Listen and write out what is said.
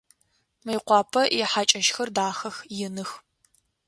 Мыекъуапэ ихьакӏэщхэр дахэх, иных.